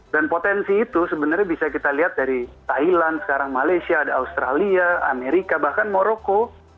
dan potensi itu sebenarnya bisa kita lihat dari thailand sekarang malaysia ada australia amerika bahkan moroko